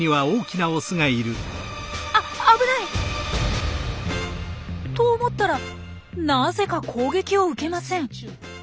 あっ危ない！と思ったらなぜか攻撃を受けません。